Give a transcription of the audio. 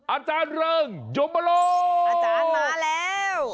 อาจารย์เริงยมโลอาจารย์มาแล้ว